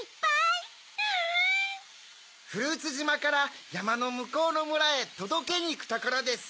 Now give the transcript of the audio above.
フルーツじまからやまのむこうのむらへとどけにいくところです。